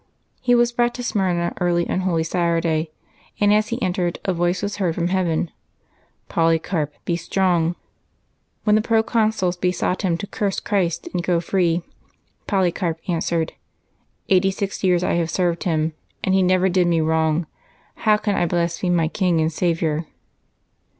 He was brought to Smyrna early on Holy Saturday; and, as he entered, a voice was heard from heaven, " Polycarp, be strong." When the proconsul besought him to curse Christ and go free, Polycarp answered, " Eighty six years I have served Him, and He never did me wrong; how can I blaspheme my King and Saviour?"